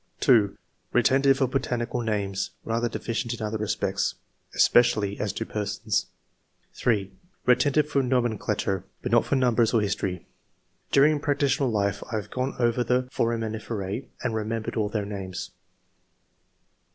2. '' Eetentive of botanical names ; rather deficient in other respects, especially as to TV n.] QUALITIES. 117 3. '' Retentive for nomenclature, but not for numbers or history." 4. ".... during practitional life I have gone over the foraminiferse and remember all their names."